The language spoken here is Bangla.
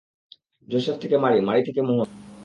জোসেফ থেকে মারি, মারি থেকে মোহন।